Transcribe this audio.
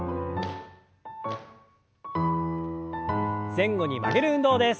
前後に曲げる運動です。